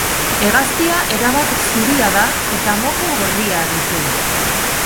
Hegaztia erabat zuria da eta moko gorria ditu.